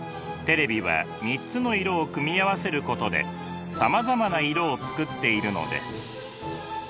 テレビは３つの色を組み合わせることでさまざまな色を作っているのです。